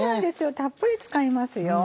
たっぷり使いますよ。